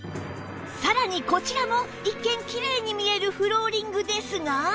さらにこちらも一見きれいに見えるフローリングですが